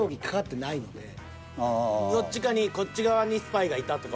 どっちかにこっち側にスパイがいたとか。